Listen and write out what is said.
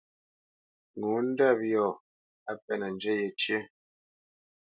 Ŋo ndɔ́p yɔ̂ á pɛ́nǝ zhǝ yecǝ́.